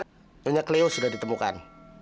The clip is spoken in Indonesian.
nyonya keliau sudah ditemukan